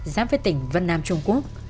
giáp với tỉnh vân nam trung quốc